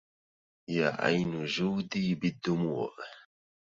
يا عين جودي بالدموع